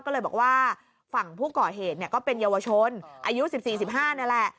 ก็เลยบอกว่าฝั่งผู้ก่อเหตุก็เป็นเยาวชนอายุ๑๔๑๕นี่แหละ